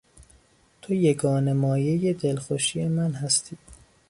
تو یگانه مایهی دلخوشی من هستی.